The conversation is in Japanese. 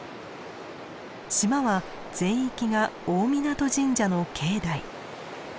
島は全域が大湊神社の境内。